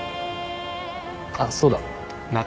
あっそうだ。